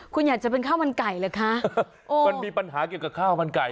คุณอยากจะเป็นข้าวมันไก่เหรอคะโอ้มันมีปัญหาเกี่ยวกับข้าวมันไก่